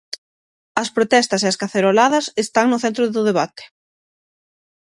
Os protestas e as caceroladas están no centro do debate.